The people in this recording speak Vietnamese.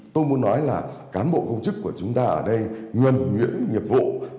tôi muốn nói là cán bộ công chức của chúng ta ở đây nguyện nhiệm nhiệm nhiệm nhiệm nhiệm nhiệm nhiệm nhiệm nhiệm nhiệm nhiệm nhiệm